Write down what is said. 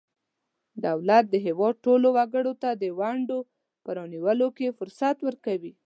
دولت د هیواد ټولو وګړو ته د ونډو په رانیولو کې فرصت ورکوي.